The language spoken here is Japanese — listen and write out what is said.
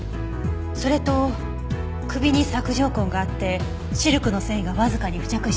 それと首に索条痕があってシルクの繊維がわずかに付着していたの。